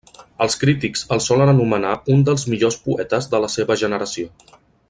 Els crítics el solen anomenar un dels millors poetes de la seva generació.